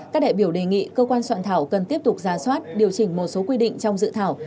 các đại biểu đề nghị cơ quan soạn thảo cần tiếp tục ra soát điều chỉnh một số quy định trong dự thảo